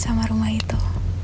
sama rumah itu